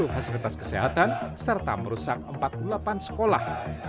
satu fasilitas kesehatan serta merusak empat puluh delapan sekolah